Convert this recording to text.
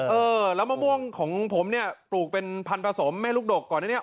เออแล้วมะม่วงของผมเนี่ยปลูกเป็นพันธสมแม่ลูกดกก่อนอันนี้